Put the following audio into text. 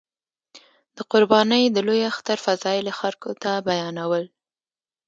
د قربانۍ د لوی اختر فضایل یې خلکو ته بیانول.